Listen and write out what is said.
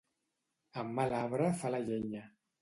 En mal arbre fa la llenya.